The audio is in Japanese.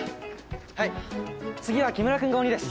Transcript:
はい次は木村君が鬼です。